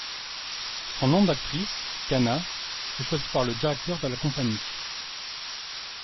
Son nom d'actrice, Kana, fut choisi par le directeur de la compagnie.